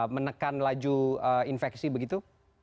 menekan laju infeksi begitu